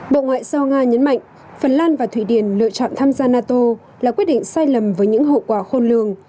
bộ ngoại giao nga nhấn mạnh phần lan và thụy điển lựa chọn tham gia nato là quyết định sai lầm với những hậu quả khôn lường